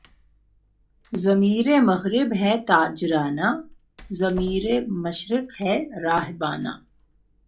ضمیرِ مغرب ہے تاجرانہ، ضمیر مشرق ہے راہبانہ